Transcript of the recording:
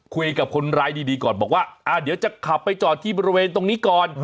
คุยกับคนร้ายดีก่อนบอกว่าเดี๋ยวจะขับไปจอดที่บริเวณตรงนี้ก่อน